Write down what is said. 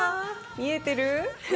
見えてる。